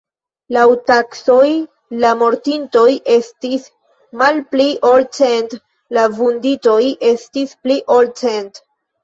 Laŭ taksoj la mortintoj estis malpli ol cent, la vunditoj estis pli ol cent.